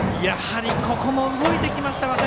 やはりここも動いてきました